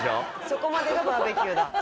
そこまでがバーベキューだ。